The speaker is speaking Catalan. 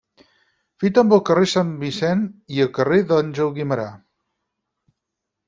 Fita amb el carrer de Sant Vicent i carrer d'Àngel Guimerà.